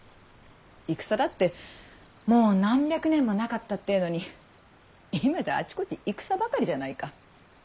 戦だってもう何百年もなかったってぇのに今じゃあちこち戦ばかりじゃないか。